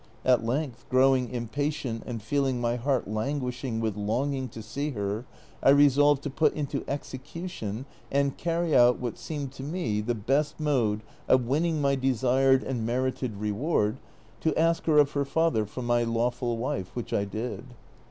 At length growing impatient and feeling my heart languishing with longing to see her, I resolved to put into execution and carry out wliat seemed to me the best mode of winning my desired and merited reward, to ask her of her father for my lawful wife, which 1 did.